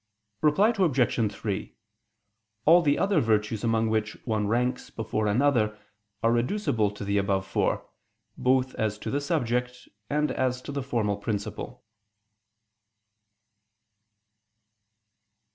Reply Obj. 3: All the other virtues among which one ranks before another, are reducible to the above four, both as to the subject and as to the formal principle.